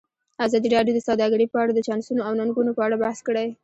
ازادي راډیو د سوداګري په اړه د چانسونو او ننګونو په اړه بحث کړی.